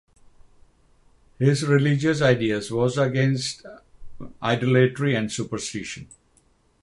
His religious ideas was against Idolatry and Superstition.